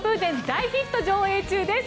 大ヒット上映中です。